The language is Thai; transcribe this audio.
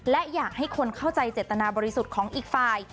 และอยากให้คนเข้าใจเจตนาบริสุทธิ์ของอีกฝ่าย